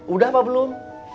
udah apa belum